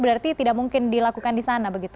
berarti tidak mungkin dilakukan di sana begitu